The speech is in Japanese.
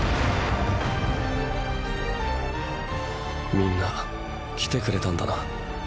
みんな来てくれたんだな。